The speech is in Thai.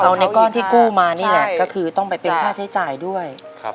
เอาในก้อนที่กู้มานี่แหละก็คือต้องไปเป็นค่าใช้จ่ายด้วย